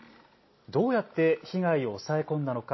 どうやって被害を押さえ込んだのか。